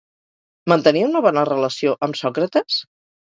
Mantenia una bona relació amb Sòcrates?